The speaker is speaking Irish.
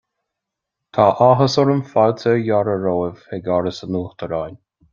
Tá áthas orm fáilte a fhearadh romhaibh chuig Áras an Uachtaráin